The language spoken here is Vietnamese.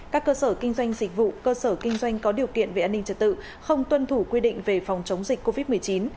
các cơ sở kinh doanh dịch vụ cơ sở kinh doanh có điều kiện về an ninh trật tự không tuân thủ quy định về phòng chống dịch covid một mươi chín